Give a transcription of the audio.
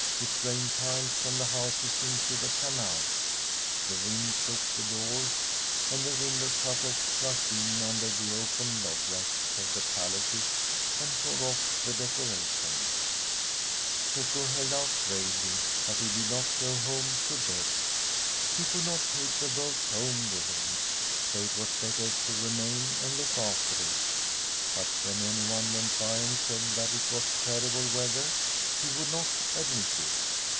it rained tiles from the houses into the canals ; the wind shook the doors and the window shutters, rushed in under the open loggias of the palaces and tore oflE the deco rations. Cecco held out bravely, but he did not go home to bed. He could not take the boat home with him, so it was better to remain and look after it. But when anyone went by and said that it was terrible weather he would not admit it.